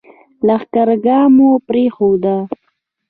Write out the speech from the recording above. لښکرګاه مو پرېښوده.